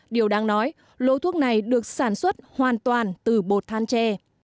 điều đáng nói lô thuốc này được sản xuất hoàn toàn từ bột than tre